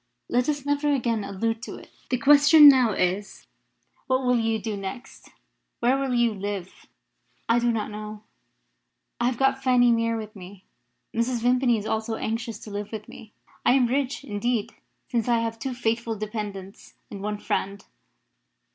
Let us never again allude to it. The question now is what will you do next? Where will you live?" "I do not know. I have got Fanny Mere with me. Mrs. Vimpany is also anxious to live with me. I am rich, indeed, since I have two faithful dependants and one friend."